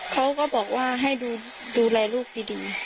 เขาก็บอกว่าให้ดูแลลูกดี